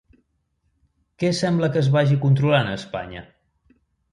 Què sembla que es vagi controlant a Espanya?